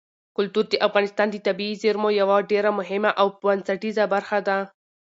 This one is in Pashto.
کلتور د افغانستان د طبیعي زیرمو یوه ډېره مهمه او بنسټیزه برخه ده.